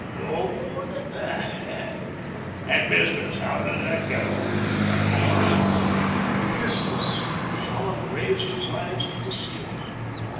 " No more than that ? And business — how does that get on ?"" Ah ! business !" Jean raised his eyes to the ceiling.